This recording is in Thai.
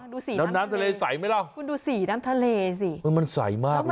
ดูสีน้ำทะเลใส่มั้ยละคุณดูสีน้ำทะเลสิมันใสมากเลยอะ